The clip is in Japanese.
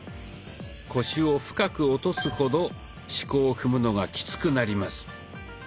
腰を深く落とすほど四股を踏むのがきつくなります。